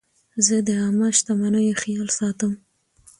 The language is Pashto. زه د عامه شتمنیو خیال ساتم.